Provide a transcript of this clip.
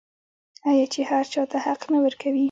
آیا چې هر چا ته حق نه ورکوي؟